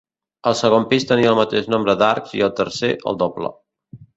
El segon pis tenia el mateix nombre d'arcs i el tercer, el doble.